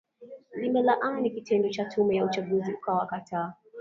limelaani kitendo cha tume ya uchaguzi kuwakataa